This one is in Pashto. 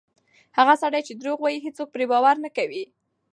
هغه سړی چې درواغ وایي، څوک پرې باور نه کوي.